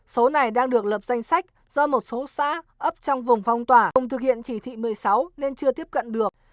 số này đang được lập danh sách do một số xã ấp trong vùng phong tỏa thực hiện chỉ thị một mươi sáu nên chưa tiếp cận được